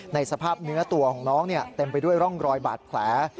สภาพเนื้อตัวของน้องเต็มไปด้วยร่องรอยบาดแผล